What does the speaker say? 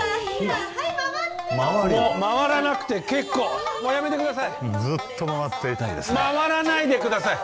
はい回って回らなくて結構もうやめてくださいずっと回っていたいですね回らないでください